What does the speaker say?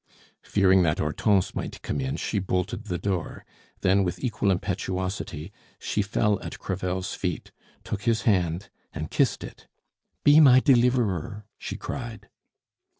Fearing that Hortense might come in, she bolted the door; then with equal impetuosity she fell at Crevel's feet, took his hand and kissed it. "Be my deliverer!" she cried.